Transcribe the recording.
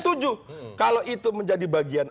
setuju kalau itu menjadi bagian